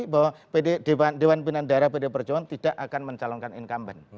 bahwa dewan pimpinan daerah pd perjuangan tidak akan mencalonkan incumbent